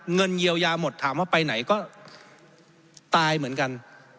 เงินเยียวยาหมดถามว่าไปไหนก็ตายเหมือนกัน